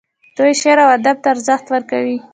دوی شعر او ادب ته ارزښت ورکوي.